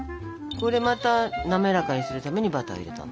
これまた滑らかにするためにバターを入れたの。